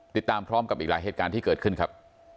ติดตามพร้อมกับอีกหลายเหตุการณ์ที่เกิดขึ้นครับ